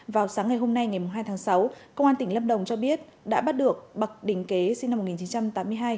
vào sáng ngày hôm nay ngày hai tháng sáu công an tỉnh lâm đồng cho biết đã bắt được bạch đình kế sinh năm một nghìn chín trăm tám mươi hai